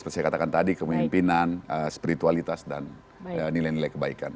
seperti saya katakan tadi kemimpinan spiritualitas dan nilai nilai kebaikan